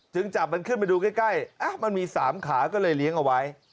จับมันขึ้นไปดูใกล้มันมี๓ขาก็เลยเลี้ยงเอาไว้